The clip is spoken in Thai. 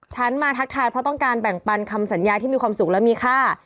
ฉันมาทักทายเพราะต้องการแบ่งปันคำสัญญาที่มีความสุขและมีค่า